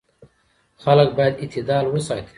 خلک باید اعتدال وساتي.